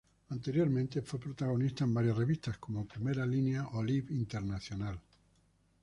Anteriormente fue protagonista en varias revistas como "Primera Línea" o "Lib Internacional".